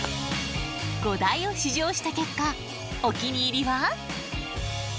５台を試乗した結果お気に入りは？